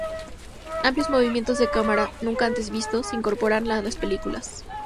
Amplios movimientos de cámara, nunca antes vistos, se incorporaron a las películas.